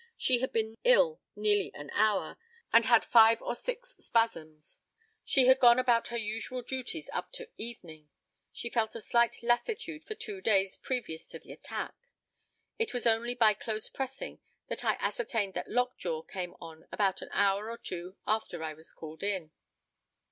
She had been ill nearly an hour, and had five or six spasms. She had gone about her usual duties up to evening. She felt a slight lassitude for two days previous to the attack. It was only by close pressing that I ascertained that lock jaw came on about an hour or two after I was called in.